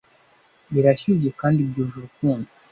birashyushye kandi byuje urukundo?